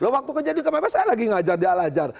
waktu kejadian saya lagi ngajar di al ajar